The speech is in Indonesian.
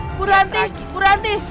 ibu ranti ibu ranti